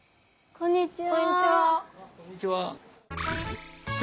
こんにちは。